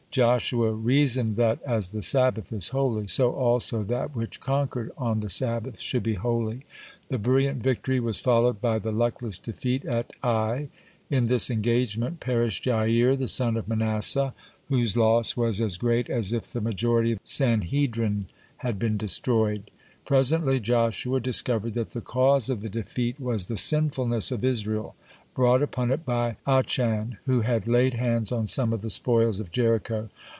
Joshua reasoned that as the Sabbath is holy, so also that which conquered on the Sabbath should be holy. (22) The brilliant victory was followed by the luckless defeat at Ai. In this engagement perished Jair, the son of Manasseh, whose loss was as great as if the majority of the Sanhedrin had been destroyed. (23) Presently Joshua discovered that the cause of the defeat was the sinfulness of Israel, brought upon it by Achan, who had laid hands on some of the spoils of Jericho.